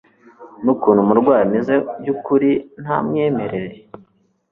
nukuntu umurwayi ameze byukuri ntamwemerere